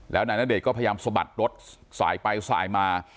แล้วนายณเดชนก็พยายามสะบัดรถสายไปสายมา